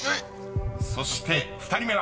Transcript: ［そして２人目は？］